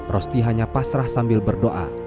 rosti hanya pasrah sambil berdoa